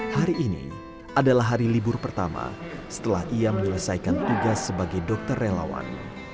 hari ini adalah hari libur pertama setelah ia menyelesaikan tugas sebagai dokter relawan